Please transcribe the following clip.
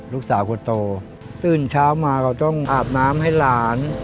ลูกสาวคนโตตื่นเช้ามาก็ต้องอาบน้ำให้หลาน